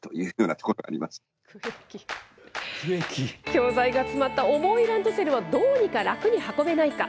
教材が詰まった重いランドセルをどうにか楽に運べないか。